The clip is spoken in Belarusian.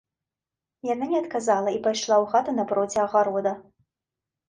Яна не адказала і пайшла ў хату напроці агарода.